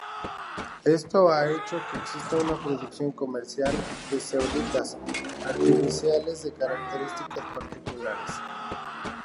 Esto ha hecho que exista una producción comercial de zeolitas artificiales de características particulares.